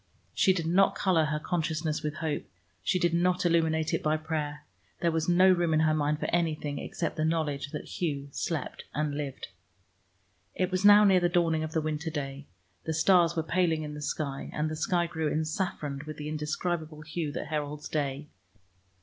She did not color her consciousness with hope, she did not illuminate it by prayer; there was no room in her mind for anything except the knowledge that Hugh slept and lived. It was now near the dawning of the winter day; the stars were paling in the sky, and the sky grew ensaffroned with the indescribable hue that heralds day.